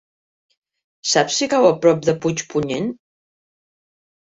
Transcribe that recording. Saps si cau a prop de Puigpunyent?